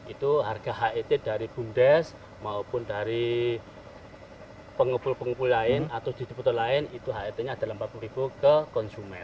itu harga het dari bumdes maupun dari pengumpul pengumpul lain atau distributor lain itu het nya adalah rp empat puluh ke konsumen